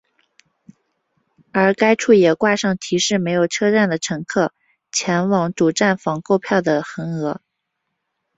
而该处也挂上提示没有车票的乘客前往主站房购票的横额。